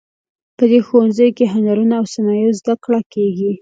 په دې ښوونځي کې د هنرونو او صنایعو زده کړه کیږي